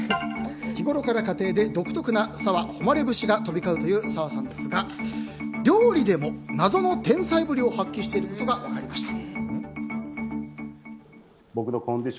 日ごろから家庭で独特な澤穂希節が飛び交うという澤さんですが料理でも謎の天才ぶりを発揮していることが分かりました。